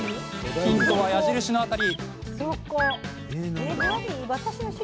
ヒントは、矢印の辺り。